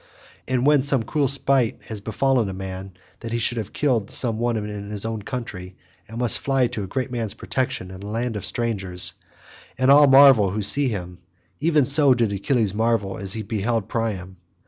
As when some cruel spite has befallen a man that he should have killed some one in his own country, and must fly to a great man's protection in a land of strangers, and all marvel who see him, even so did Achilles marvel as he beheld Priam.